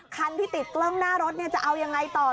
คันที่ติดกล้องหน้ารถจะเอายังไงต่อ